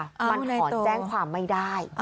มันถอนแจ้งความไม่ได้